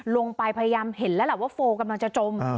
พยายามเห็นแล้วแหละว่าโฟลกำลังจะจม